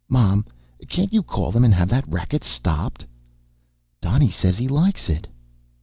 "Mom, can't you call them and have that racket stopped?" "Donny says he likes it."